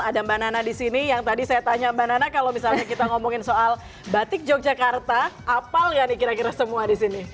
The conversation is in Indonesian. ada mbak nana di sini yang tadi saya tanya mbak nana kalau misalnya kita ngomongin soal batik yogyakarta apal gak nih kira kira semua di sini